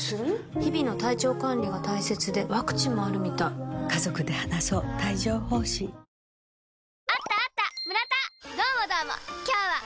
日々の体調管理が大切でワクチンもあるみたい颯という名の爽快緑茶！